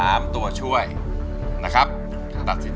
อันดับนี้เป็นแบบนี้